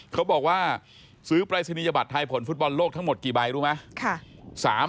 เขาบอกว่าซื้อปรายศนียบัตรไทยผลฟุตบอลโลกทั้งหมดกี่ใบรู้ไหม